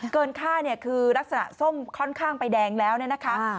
ค่าเนี่ยคือลักษณะส้มค่อนข้างไปแดงแล้วเนี่ยนะคะ